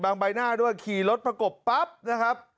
ใบหน้าด้วยขี่รถประกบปั๊บนะครับ